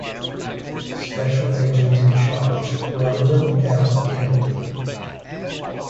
Special Agent in Charge Weldon L. Kennedy.